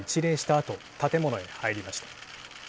あと建物に入りました。